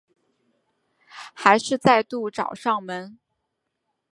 还是再度找上门